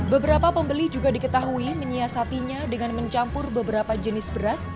beberapa pembeli juga diketahui menyiasatinya dengan mencampur beberapa jenis beras